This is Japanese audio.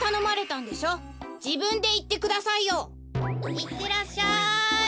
いってらっしゃい！